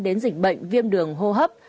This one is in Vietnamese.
đến dịch bệnh viêm đường hô hấp